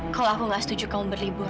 kalau aku gak setuju kau berlibur